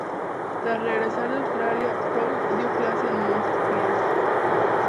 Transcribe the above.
Tras regresar de Austria, Proust dio clase en Montpellier.